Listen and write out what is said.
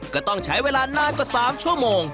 ก็ต้องใช้เวลานานกว่า๓ชั่วโมง